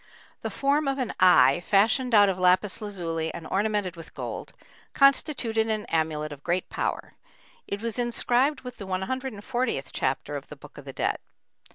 The form of an eye, fashioned out of lapis lazuli and ornamented with gold, constituted an amulet of great power; it was inscribed with the 140th chapter of the Book of the Dead.